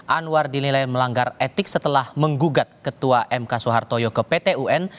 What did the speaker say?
anwar dinilai melanggar etik setelah menggugat ketua mk soehartoyo ke pt un